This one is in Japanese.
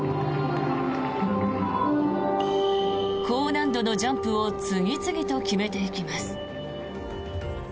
高難度のジャンプを次々と決めていきます。